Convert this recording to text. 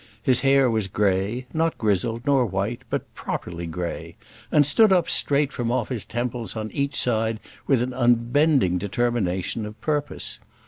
His hair was grey, not grizzled nor white, but properly grey; and stood up straight from off his temples on each side with an unbending determination of purpose.